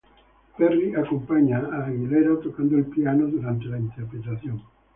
Perry acompañada Aguilera tocando el piano durante la interpretación.